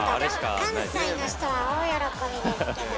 関西の人は大喜びですけども。